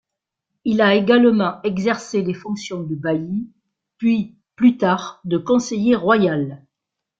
Il a également exercé les fonctions de bailli puis plus tard de conseiller royal.